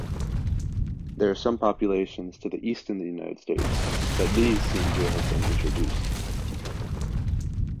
There are some populations to the east in the United States, but these seem to have been introduced.